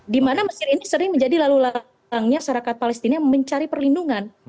dimana mesir ini sering menjadi lalu lalangnya serakat palestina mencari perlindungan